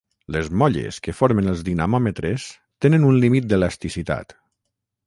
Les molles que formen els dinamòmetres tenen un límit d'elasticitat.